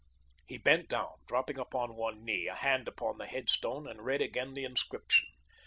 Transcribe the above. He bent down, dropping upon one knee, a hand upon the headstone, and read again the inscription.